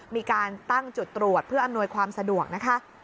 มีการตั้งจุดตรวจเพื่ออำนวยความสะดวกนะคะ